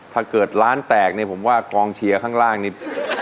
ถ้าเกิดร้านแตกเนี่ยผมว่ากองเชียร์ข้างล่างนี้